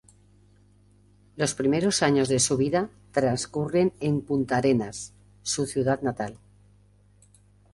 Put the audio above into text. Los primeros años de su vida transcurren en Punta Arenas, su ciudad natal.